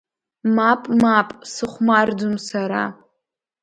Мап, мап, сыхәмарӡом сара.